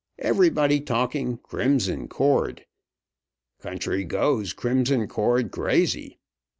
Everybody talking Crimson Cord. Country goes Crimson Cord crazy.